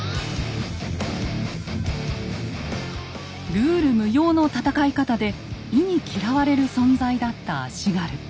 ルール無用の戦い方で忌み嫌われる存在だった足軽。